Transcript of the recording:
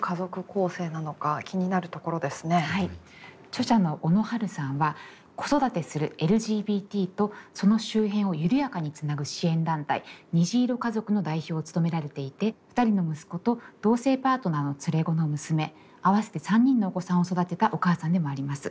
著者の小野春さんは子育てするＬＧＢＴとその周辺を緩やかにつなぐ支援団体にじいろかぞくの代表を務められていて２人の息子と同性パートナーの連れ子の娘合わせて３人のお子さんを育てたお母さんでもあります。